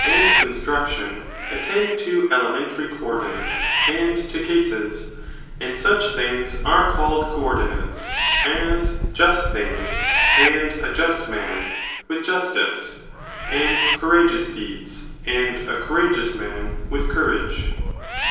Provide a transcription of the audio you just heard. and construc tion, attend to elementary co ordinates, and to cases,{ and such things are called co ordinates, as just things, and a just man, with justice, and courageous deeds, and a courageous man, with courage.